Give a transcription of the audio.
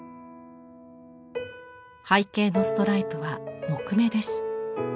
背景のストライプは木目です。